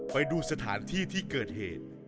ไปดูสถานที่ที่เกิดเหตุ